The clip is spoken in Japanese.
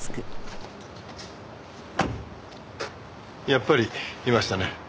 やっぱりいましたね。